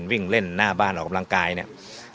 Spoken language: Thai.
วิ่งเล่นหน้าบ้านออกกำลังกายเนี่ย